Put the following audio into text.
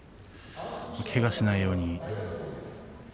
けがをしないように。